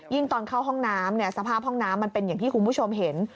ตอนเข้าห้องน้ำเนี่ยสภาพห้องน้ำมันเป็นอย่างที่คุณผู้ชมเห็น